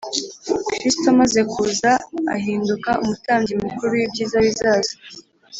Kristo, amaze kuza, ahinduka Umutambyi Mukuru w'ibyiza bizaza,